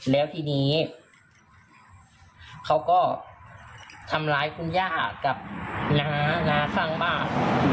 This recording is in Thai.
แล้วทีนี้เขาก็ทำร้ายคุณย่ากับน้าน้าข้างบ้าน